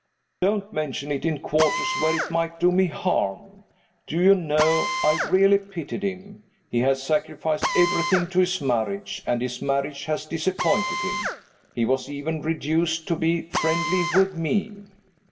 Don't mention it in quarters where it might do me harm. Do you know, I really pitied him. He has sacrificed everything to his marriage and his marriage has disappointed him. He was even reduced to be friendly with Me.